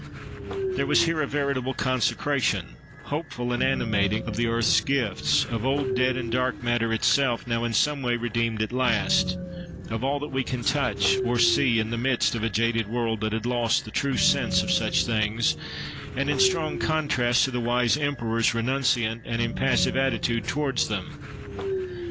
There was here a veritable consecration, hopeful and animating, of the earth's gifts, of old dead and dark matter itself, now in some way redeemed at last, of all that we can touch or see, in the midst of a jaded world that had lost the true sense of such things, and in strong contrast to the wise emperor's renunciant and impassive attitude towards them.